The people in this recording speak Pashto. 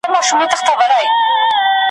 او په لاندي برخو کي مي تر اوسه